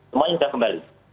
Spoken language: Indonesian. semuanya yang sudah kembali